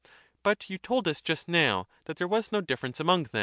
— But you told us just now that there wa$ no difference among them.'